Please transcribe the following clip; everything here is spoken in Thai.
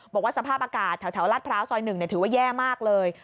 บอกว่าสภาพอากาศแถวรัฐพร้าวซอย๑ถือว่าแย่มากเลย